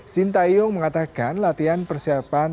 sintayong mengatakan latihan persiapan